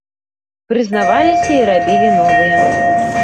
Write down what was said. Прызнаваліся і рабілі новыя.